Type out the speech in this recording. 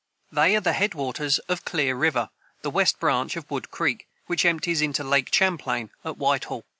They are the head waters of Clear river, the west branch of Wood creek, which empties into Lake Champlain at Whitehall.